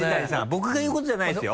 僕が言うことじゃないですよ。